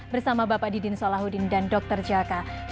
bersama bapak didi solahuddin dan dr jakarta